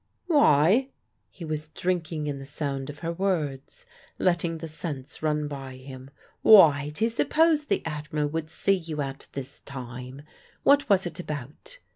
"Why?" He was drinking in the sound of her words, letting the sense run by him. "Why, to suppose the Admiral would see you at this time. What was it about?"